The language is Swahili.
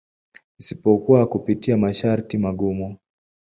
Isipokuwa kupitia masharti magumu.